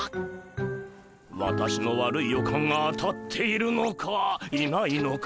私の悪い予感が当たっているのかいないのか。